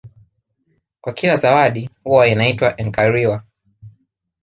Kwa kila zawadi huwa inaitwa enkariwa